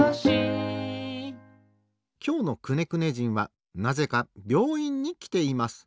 きょうのくねくね人はなぜかびょういんにきています。